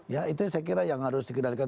ya itu saya kira yang harus dikendalikan